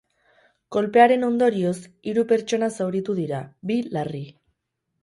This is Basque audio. Kolpearen ondorioz, hiru pertsona zauritu dira, bi larri.